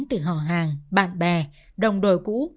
từ họ hàng bạn bè đồng đội cũ